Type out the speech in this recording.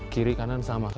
kiri kanan sama kerasnya